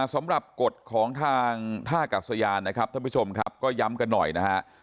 สำหรับกฎของทางท่ากัดสยานนะครับท่านผู้ชมครับก็ย้ำกันหน่อยนะฮะ